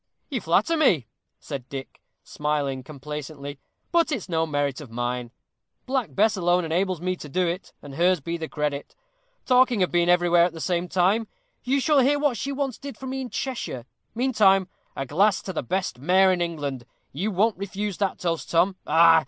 "You flatter me," said Dick, smiling complacently; "but it's no merit of mine. Black Bess alone enables me to do it, and hers be the credit. Talking of being everywhere at the same time, you shall hear what she once did for me in Cheshire. Meantime, a glass to the best mare in England. You won't refuse that toast, Tom. Ah!